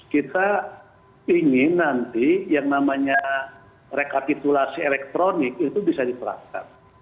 kita ingin nanti yang namanya rekapitulasi elektronik itu bisa diterapkan